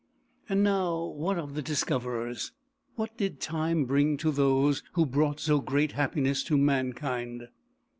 And now, what of the discoverers? What did time bring to those who brought so great happiness to mankind?